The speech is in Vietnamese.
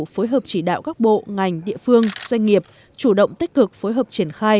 phối hợp chỉ đạo các bộ ngành địa phương doanh nghiệp chủ động tích cực phối hợp triển khai